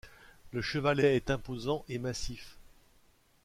Le chevalet est imposant et massif.